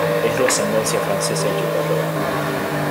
Es de ascendencia francesa y checoslovaca.